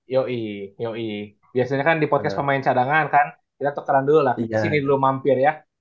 yoi yoi biasanya kan di podcast pemain cadangan kan kita tukaran dulu lah di sini dulu mampir ya